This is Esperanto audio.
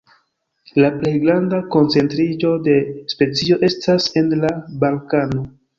La plej granda koncentriĝo de specio estas en la Balkano.